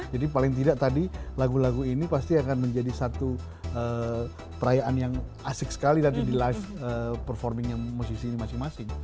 jadi paling tidak tadi lagu lagu ini pasti akan menjadi satu perayaan yang asik sekali nanti di live performingnya musisi ini masing masing